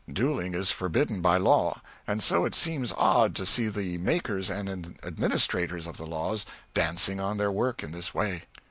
Duelling is forbidden by law; and so it seems odd to see the makers and administrators of the laws dancing on their work in this way.